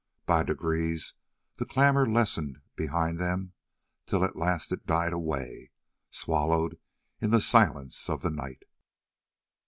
By degrees the clamour lessened behind them, till at last it died away, swallowed in the silence of the night.